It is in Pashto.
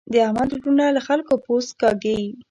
د احمد وروڼه له خلګو پوست کاږي.